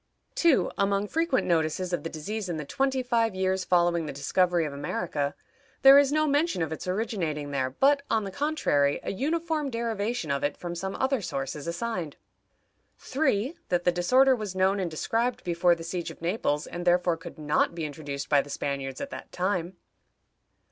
2. Among frequent notices of the disease in the twenty five years following the discovery of America, there is no mention of its originating there, but, on the contrary, a uniform derivation of it from some other source is assigned. 3. That the disorder was known and described before the siege of Naples, and therefore could not be introduced by the Spaniards at that time.